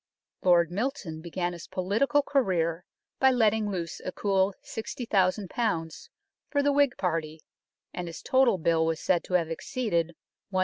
Lord Milton began his political career by letting loose a cool 60,000 for the Whig party, and his total bill was said to have exceeded 100,000.